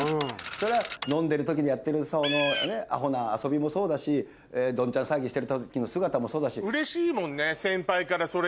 それは飲んでる時にやってるアホな遊びもそうだしどんちゃん騒ぎしてる時の姿もそうだし。